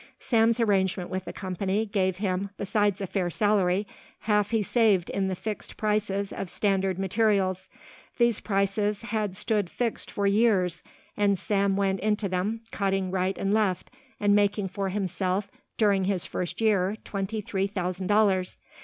Sam's arrangement with the company gave him, besides a fair salary, half he saved in the fixed prices of standard materials. These prices had stood fixed for years and Sam went into them, cutting right and left, and making for himself during his first year twenty three thousand dollars.